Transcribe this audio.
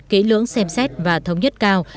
kế lưỡng xem xét và thống nhất cao